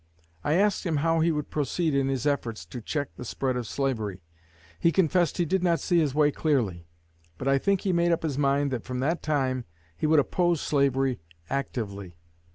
I asked him how he would proceed in his efforts to check the spread of slavery. He confessed he did not see his way clearly; but I think he made up his mind that from that time he would oppose slavery actively.